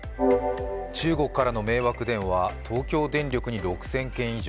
中国からの迷惑電話、東京電力に６０００件以上。